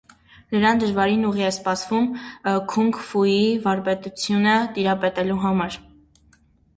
Նրան դժվարին ուղի է սպասվում քունգ ֆուի վարպետությունը տիրապետելու համար։